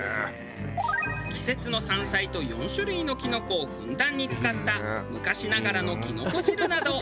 季節の山菜と４種類のきのこをふんだんに使った昔ながらのきのこ汁など。